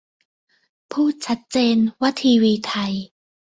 พูดชัดเจน ว่าทีวีไทย